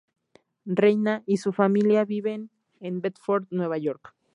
Reyna y su familia viven en Bedford, Nueva York.